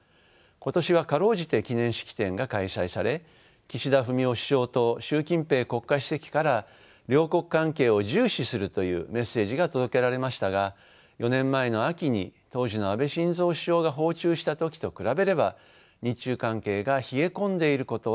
今年は辛うじて記念式典が開催され岸田文雄首相と習近平国家主席から両国関係を重視するというメッセージが届けられましたが４年前の秋に当時の安倍晋三首相が訪中した時と比べれば日中関係が冷え込んでいることは否めません。